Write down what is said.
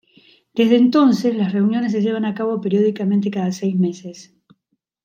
Desde entonces las reuniones se llevan a cabo periódicamente cada seis meses.